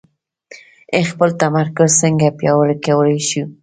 خپل تمرکز څنګه پياوړی کولای شئ؟